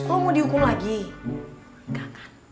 lu mau dihukum lagi ga kan